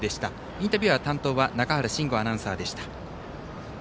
インタビュアー担当は中原真吾アナウンサーでした。